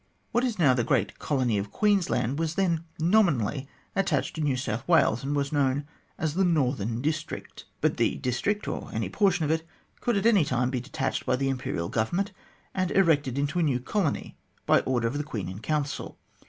What is now the great Colony of Queensland was then nominally attached to New South Wales, and was known as the " northern district." But the district, or any portion of it, could, at any time, be detached by the Imperial Government, and erected into a new colony by an order of the Queen in Council.